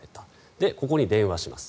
で、ここに電話します。